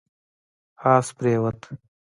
اس پرېووت